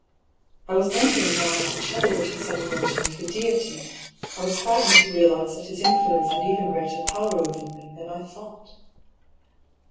I was wondering why I had shuddered at his sudden mention of the Deity ; I was frightened to realise that his influence had even greater power over me than I thought.